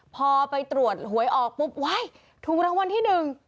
พอไปตรวจหวยออกปุ๊บว้ายถูกรางวัลที่หนึ่ง